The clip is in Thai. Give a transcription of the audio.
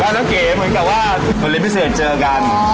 ครั้งละเกมประมาณว่าเวลาใหม่เศษเจอกัน